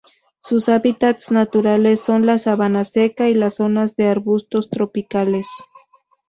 Sus hábitats naturales son la sabana seca y las zonas de arbustos tropicales.